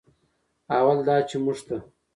اول دا چې موږ ته